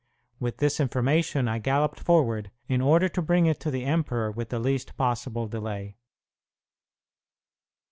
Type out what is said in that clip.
With this information I galloped, forward, in order to bring it to the emperor with the least possible delay.